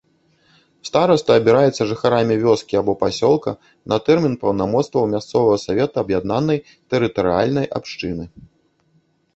Стараста абіраецца жыхарамі вёскі або пасёлка на тэрмін паўнамоцтваў мясцовага савета аб'яднанай тэрытарыяльнай абшчыны.